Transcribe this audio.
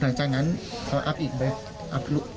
หลังจากนั้นเขาอัพอีกไหม